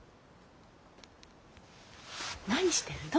何してるの？